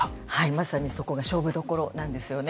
まさに、そこが勝負どころなんですよね。